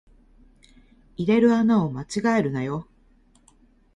入れる穴を間違えるなよ